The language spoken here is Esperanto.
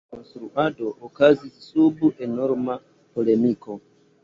La konstruado okazis sub enorma polemiko.